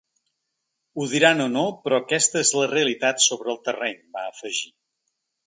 Ho diran o no però aquesta és la realitat sobre el terreny va afegir.